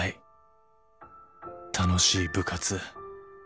楽しい部活